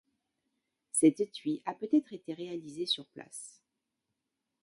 Cet étui a peut-être été réalisé sur place.